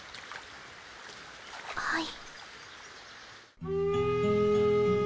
はい。